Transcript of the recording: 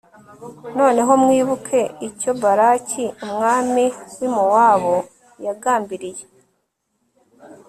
noneho mwibuke icyo balaki umwami w'i mowabu yagambiriye